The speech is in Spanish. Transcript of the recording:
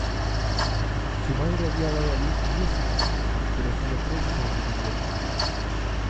Su madre había dado a luz diez hijos, pero solo tres sobrevivieron.